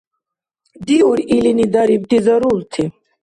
Диур илини дарибти зарулти!